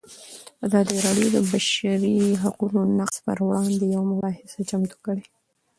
ازادي راډیو د د بشري حقونو نقض پر وړاندې یوه مباحثه چمتو کړې.